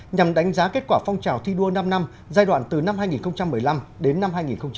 nhằm đánh giá kết quả phong trào thi đua năm năm giai đoạn từ năm hai nghìn một mươi năm đến năm hai nghìn hai mươi